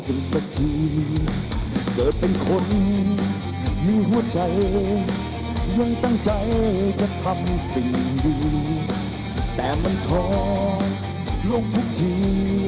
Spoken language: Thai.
ใครจะทำสิ่งดีแต่มันทอลงทุกที